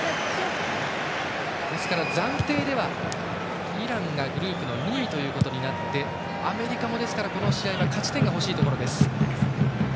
ですから、暫定ではイランがグループ２位ということになってアメリカもこの試合は勝ち点が欲しいところ。